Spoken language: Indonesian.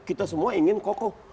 kita semua ingin kokoh